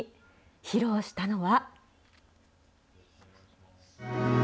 披露したのは。